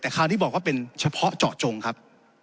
แต่คราวที่บอกว่าเป็นเฉพาะเจาะจงครับ